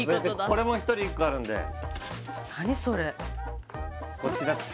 これも１人１個あるんで何それ？